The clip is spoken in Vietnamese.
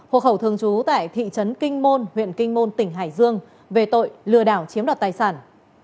hộ khẩu thường trú tại thị trấn kinh môn huyện kinh môn tỉnh hải dương về tội lừa đảo chiếm đoạt tài sản